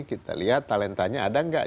kita lihat talentanya ada nggak